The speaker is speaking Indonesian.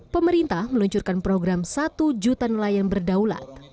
pemerintah meluncurkan program satu juta nelayan berdaulat